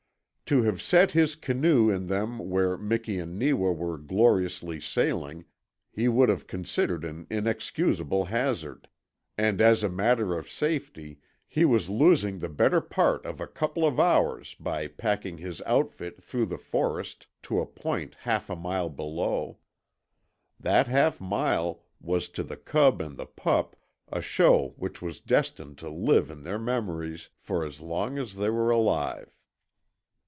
To have set his canoe in them where Miki and Neewa were gloriously sailing he would have considered an inexcusable hazard, and as a matter of safety he was losing the better part of a couple of hours by packing his outfit through the forest to a point half a mile below. That half mile was to the cub and the pup a show which was destined to live in their memories for as long as they were alive.